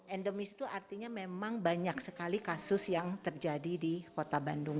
endemis itu artinya memang banyak sekali kasus yang terjadi di kota bandung